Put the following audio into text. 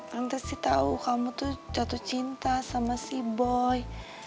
lantas sih tahu kamu tuh jatuh cinta sama si boy